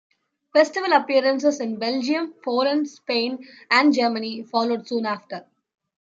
Festival appearances in Belgium, Poland, Spain and Germany followed soon after.